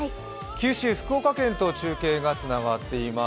九州・福岡県と中継がつながっています。